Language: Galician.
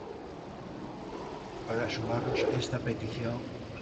Para sumarnos a esta petición.